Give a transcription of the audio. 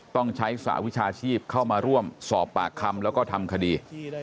ต้องใช้สหวิชาชีพเข้ามาร่วมสอบปากคำแล้วก็ทำคดี